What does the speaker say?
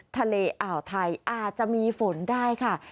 ทะเลอ่าวไทยอาจจะมีฝนได้ค่ะ